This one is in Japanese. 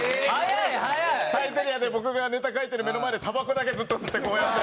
サイゼリヤで僕がネタ書いてる目の前でたばこだけずっと吸ってこうやって。